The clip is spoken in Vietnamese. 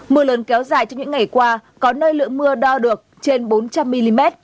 mưa lớn kéo dài trong những ngày qua có nơi lượng mưa đo được trên bốn trăm linh mm